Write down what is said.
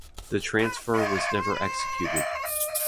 The transfer was never executed.